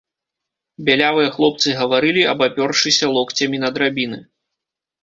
Бялявыя хлопцы гаварылі, абапёршыся локцямі на драбіны.